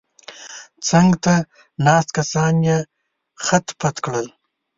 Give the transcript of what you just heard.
څنګ ته ناست کسان یې خت پت کړل.